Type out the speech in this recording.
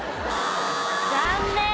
残念。